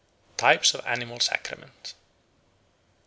Types of Animal Sacrament 1.